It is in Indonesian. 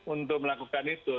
untuk melakukan itu